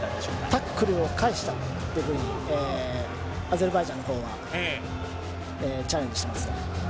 タックルを返したというふうにアゼルバイジャンのほうはチャレンジしてますね。